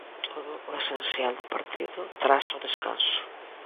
Todo o esencial do partido tras o descanso.